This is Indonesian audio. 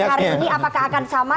apakah akan sama